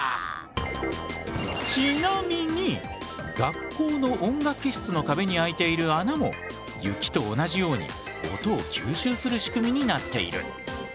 ちなみに学校の音楽室の壁に開いている穴も雪と同じように音を吸収する仕組みになっている。